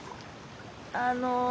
あの。